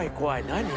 何？